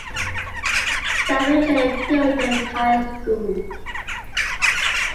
Samuel J. Tilden High School.